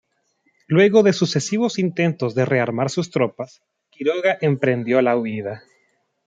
Luego de sucesivos intentos de rearmar sus tropas, Quiroga emprendió la huida.